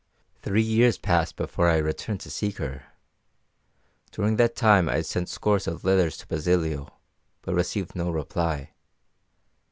"Three years passed before I returned to seek her. During that time I sent scores of letters to Basilio, but received no reply.